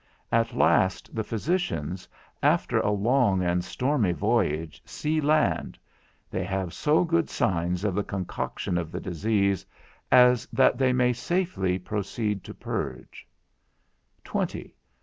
At last the physicians, after a long and stormy voyage, see land: They have so good signs of the concoction of the disease, as that they may safely proceed to purge 122 20.